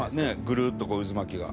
ぐるっとこう渦巻きが。